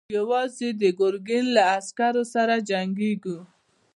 موږ يواځې د ګرګين له عسکرو سره جنګېږو.